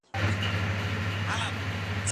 نه مري هغه نه مري چي په ژوندکې مینه کړې وي